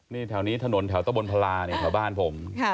นี่แถวนี้ถนนแถวตะบนพลาเนี่ยแถวบ้านผม